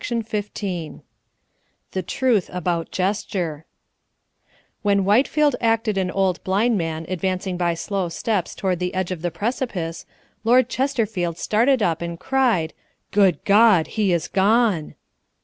] CHAPTER XV THE TRUTH ABOUT GESTURE When Whitefield acted an old blind man advancing by slow steps toward the edge of the precipice, Lord Chesterfield started up and cried: "Good God, he is gone!"